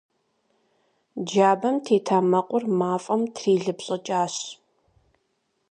Джабэм тета мэкъур мафӀэм трилыпщӀыкӀащ.